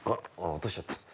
落としちゃった。